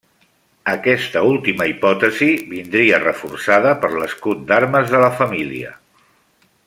Aquesta última hipòtesi vindria reforçada per l'escut d'armes de la família.